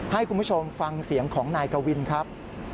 ให้คุณผู้ชมฟังเสียงของนายกวินครับ